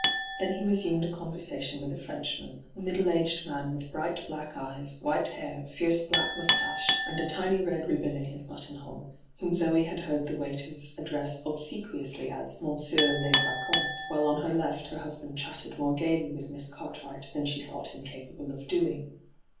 Then he resumed a conversation with a Frenchman, a middle aged man with bright black eyes, white hair, fierce black moustache, and a tiny red ribbon in his buttonhole — whom Zoe had heard the waiters hyGoogIc 156 ENTRAPPED address obsequiously as ' Monsieur ]e Yioomte,' while on her left her husband chatted more gaily with Miss Cartwright than she thought him capable of doing.